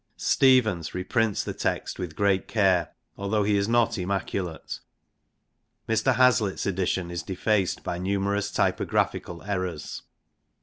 Steevens reprints the text with great care, although he is not immaculate. Mr. Hazlitt's edition is defaced by numerous typographical errors.